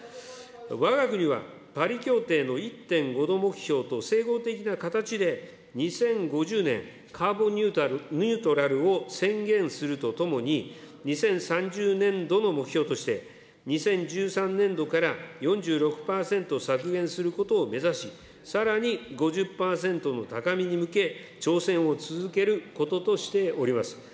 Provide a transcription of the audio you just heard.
わが国はパリ協定の１．５度目標と整合的な形で２０５０年カーボンニュートラルを宣言するとともに、２０３０年度の目標として、２０１３年度から４６％削減することを目指し、さらに５０％の高みに向け、挑戦を続けることとしております。